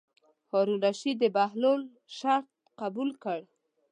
هارون الرشید د بهلول شرط قبول کړ.